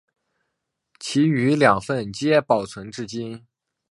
其余两份皆保存至今。